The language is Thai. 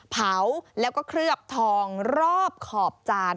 เผาแล้วก็เคลือบทองรอบขอบจาน